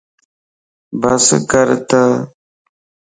بس ڪرت